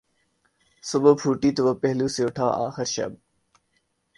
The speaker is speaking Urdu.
صبح پھوٹی تو وہ پہلو سے اٹھا آخر شب